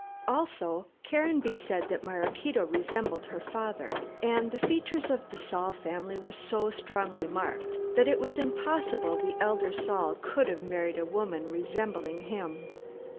Also, Caranby said that Maraquito resembled her father, and the features of the Saul family were so strongly marked that it was impossible the elder Saul could have married a woman resembling him.